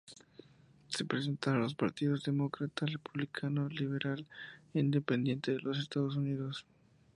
Se presentaron los partidos demócrata, republicano, liberal e independiente de los Estados Unidos.